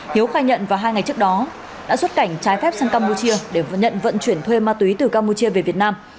hiếu khai nhận vào hai ngày trước đó đã xuất cảnh trái phép sang campuchia để nhận vận chuyển thuê ma túy từ campuchia về việt nam